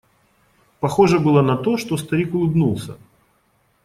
Похоже было на то, что старик улыбнулся.